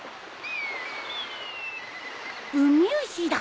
ウミウシだ。